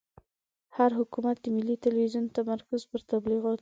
هر حکومت د ملي تلویزون تمرکز پر تبلیغاتو وي.